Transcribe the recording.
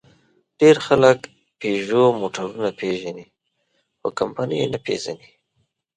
ډېر خلک پيژو موټرونه پېژني؛ خو کمپنۍ یې نه پېژني.